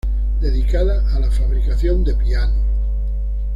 Dedicada a la fabricación de pianos.